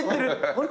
あれ？